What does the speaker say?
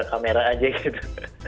kita kamera aja gitu